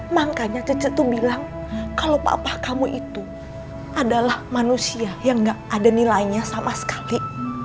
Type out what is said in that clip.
makanya cece itu bilang kalau papa kamu itu adalah manusia yang gak ada nilainya sama sekali